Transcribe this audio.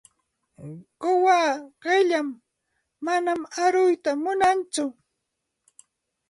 Quwaa qilam, manam aruyta munantsu.